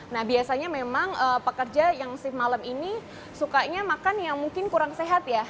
nah biasanya memang pekerja yang shift malam ini sukanya makan yang mungkin kurang sehat ya